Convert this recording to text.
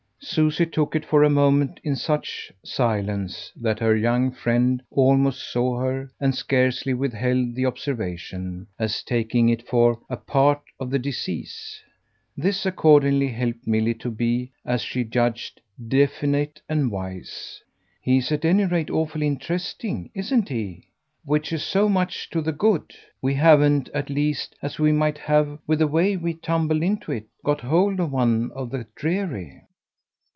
Susie took it for a moment in such silence that her young friend almost saw her and scarcely withheld the observation as taking it for "a part of the disease." This accordingly helped Milly to be, as she judged, definite and wise. "He's at any rate awfully interesting, isn't he? which is so much to the good. We haven't at least as we might have, with the way we tumbled into it got hold of one of the dreary."